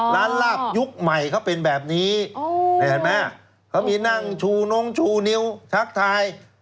ลาบยุคใหม่เขาเป็นแบบนี้เห็นไหมเขามีนั่งชูน้องชูนิ้วทักทาย